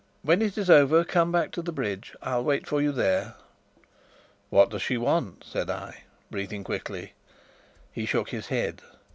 When it is over, come back to the bridge. I'll wait for you there." "What does she want?" said I, breathing quickly. He shook his head.